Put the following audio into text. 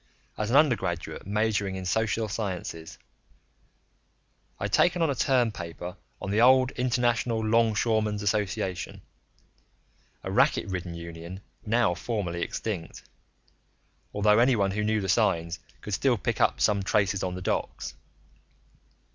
As an undergraduate majoring in social sciences, I'd taken on a term paper on the old International Longshoreman's Association, a racket ridden union now formally extinct although anyone who knew the signs could still pick up some traces on the docks.